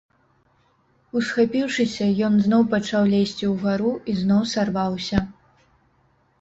Усхапіўшыся, ён зноў пачаў лезці ўгару і зноў сарваўся.